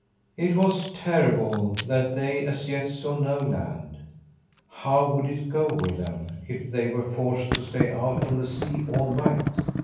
It was terrible that they, as yet, saw no land. How would it go with them if they were forced to stay out on the sea all night?